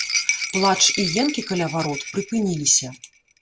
Плач і енкі каля варот прыпыніліся.